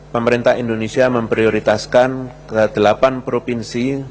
pemerintah indonesia memprioritaskan ke delapan provinsi